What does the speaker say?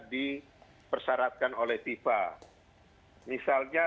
dipersyaratkan oleh fifa misalnya